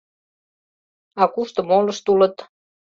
— А кушто молышт улыт?»